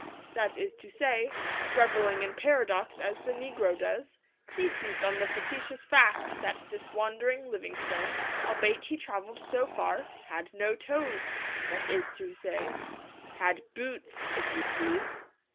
That is to say, revelling in paradox as the negro does, he seized on the facetious fact that this wandering Livingstone, albeit he travelled so far, had no toes that is to say, had boots, if you please!'